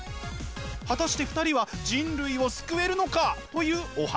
果たして２人は人類を救えるのか？というお話。